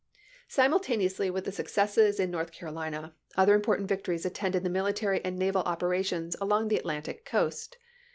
Simultaneously with the successes in North Carolina, other important victories attended the military and naval operations along the Atlantic coast.